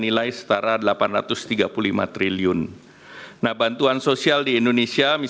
ini juga diberlakukan januari dua ribu dua puluh empat